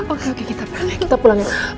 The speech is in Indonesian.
oke oke kita pulang ya